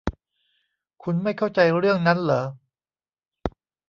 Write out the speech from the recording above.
คุณไม่เข้าใจเรื่องนั้นเหรอ